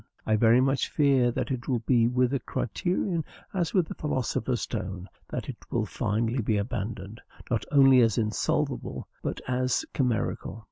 I very much fear that it will be with the criterion as with the philosopher's stone; that it will finally be abandoned, not only as insolvable, but as chimerical.